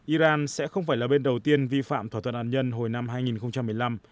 iran sẽ không phải là bên đầu tiên vi phạm thỏa thuận hạt nhân hồi năm hai nghìn một mươi năm